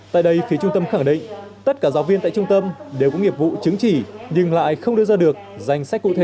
tại đây phía trung tâm khẳng định tất cả giáo viên tại trung tâm đều có nghiệp vụ chứng chỉ nhưng lại không đưa ra được danh sách cụ thể